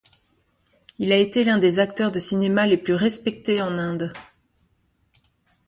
Il a été l'un des acteurs de cinéma les plus respectés en Inde.